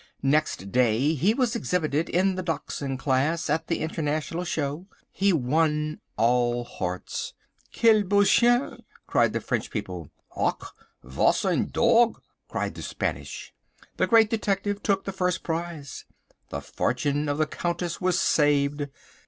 Next day he was exhibited in the Dachshund class at the International show. He won all hearts. "Quel beau chien!" cried the French people. "Ach! was ein Dog!" cried the Spanish. The Great Detective took the first prize! The fortune of the Countess was saved.